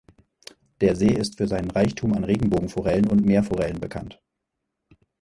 Der See ist für seinen Reichtum an Regenbogenforellen und Meerforellen bekannt.